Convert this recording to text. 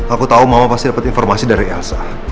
aku tau mama pasti dapet informasi dari elsa